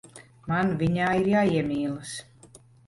Man viņā ir jāiemīlas.